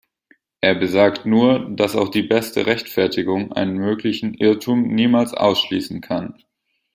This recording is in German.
Er besagt nur, dass auch die beste Rechtfertigung einen möglichen Irrtum niemals ausschließen kann.